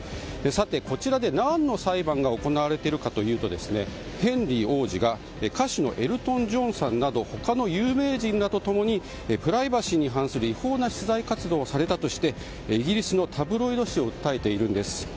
こちらで何の裁判が行われているかというとヘンリー王子が歌手のエルトン・ジョンさんなど他の有名人らと共にプライバシーに反する違法な取材活動をされたとしてイギリスのタブロイド紙を訴えているんです。